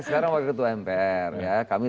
sekarang wakil ketua mpr ya kami